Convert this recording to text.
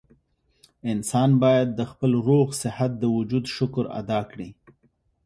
انسان بايد د خپل روغ صحت د وجود شکر ادا کړي